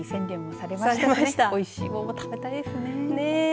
おいしい桃、食べたいですね。